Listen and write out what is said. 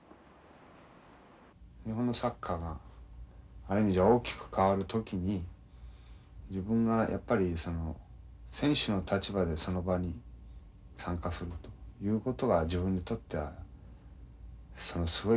日本のサッカーがある意味じゃ大きく変わる時に自分がやっぱり選手の立場でその場に参加するということは自分にとってはすごい意義があることだと。